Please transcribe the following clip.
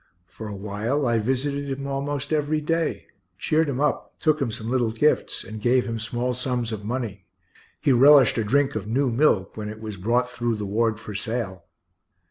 For a while I visited him almost every day, cheered him up, took him some little gifts, and gave him small sums of money (he relished a drink of new milk, when it was brought through the ward for sale).